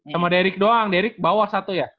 sama derick doang derick bawah satu ya